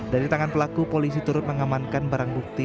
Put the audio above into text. dari tangan pelaku polisi turut mengamankan barang bukti